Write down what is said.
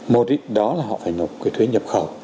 một đó là họ phải nộp thuế nhập khẩu